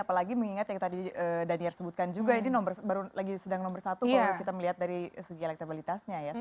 apalagi mengingat yang tadi daniel sebutkan juga ini sedang nomor satu kalau kita melihat dari segi elektabilitasnya ya